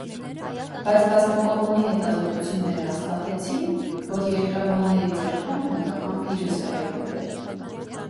Բայց բազմակողմանի հետազոտությունները հաստատեցին, որ երկրաբանների ձեռքում հայկական փիրուզ է հայտնվել։